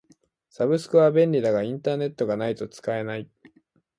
サブスクは便利だがインターネットがないと使えない。